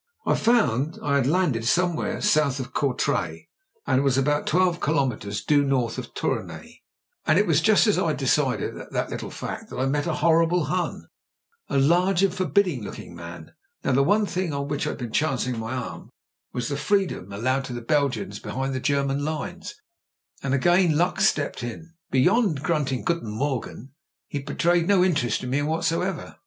I fotmd I had landed somewhere south of Courtrai, and was about twelve kilometres due north of Tournai. "And it was just as I'd decided that little fact that I met a horrible Hun, a large and forbidding looking man. Now, the one thing on which I'd been chancing my arm was the freedom allowed to the Belgians be hind the German lines, and luck again stepped in. "Beyond grunting 'Guten Morgen' he betrayed no interest in me whatever.